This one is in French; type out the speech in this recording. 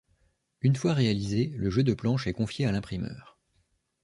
Une fois réalisé, le jeu de planches est confié à l'imprimeur.